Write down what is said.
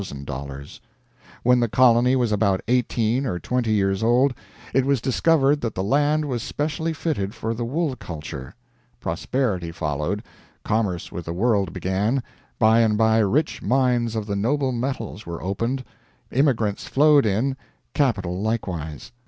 When the colony was about eighteen or twenty years old it was discovered that the land was specially fitted for the wool culture. Prosperity followed, commerce with the world began, by and by rich mines of the noble metals were opened, immigrants flowed in, capital likewise.